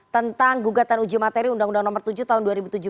tentang gugatan uji materi undang undang nomor tujuh tahun dua ribu tujuh belas